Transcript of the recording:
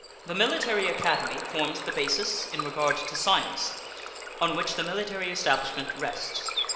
The Military Academy forms the basis, in regard to science, on which the military establishment rests.